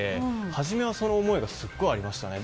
はじめはその思いがすごくありましたね。